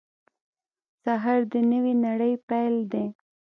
سهار د نوې نړۍ پیل دی.